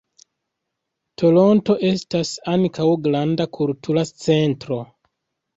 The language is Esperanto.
Toronto estas ankaŭ granda kultura centro.